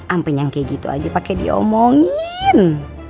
ampe nyangke gitu aja pake diomongin